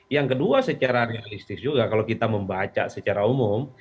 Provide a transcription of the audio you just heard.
yang kedua secara realistis juga kalau kita membaca secara umum